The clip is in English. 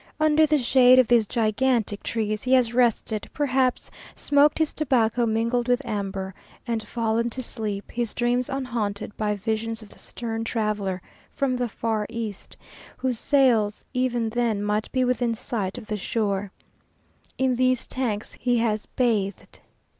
Under the shade of these gigantic trees he has rested, perhaps smoked his "tobacco mingled with amber," and fallen to sleep, his dreams unhaunted by visions of the stern traveller from the far east, whose sails even then might be within sight of the shore. In these tanks he has bathed.